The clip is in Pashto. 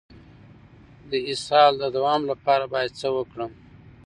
د اسهال د دوام لپاره باید څه وکړم؟